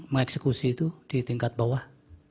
mengeksekusi itu di tingkat bawah